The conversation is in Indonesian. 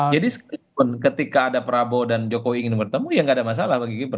jadi sekalipun ketika ada prabowo dan jokowi ingin bertemu ya nggak ada masalah bagi gibran